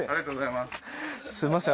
すいません